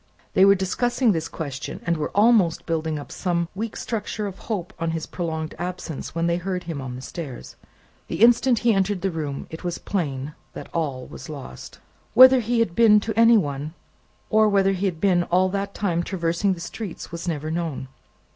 They were discussing this question, and were almost building up some weak structure of hope on his prolonged absence, when they heard him on the stairs. The instant he entered the room, it was plain that all was lost. Whether he had really been to any one, or whether he had been all that time traversing the streets, was never known.